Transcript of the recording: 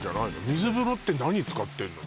水風呂って何使ってんの？